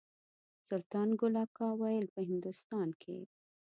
سلطان ګل اکا ویل په هندوستان کې.